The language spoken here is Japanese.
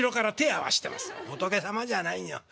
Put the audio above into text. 「仏様じゃないよ。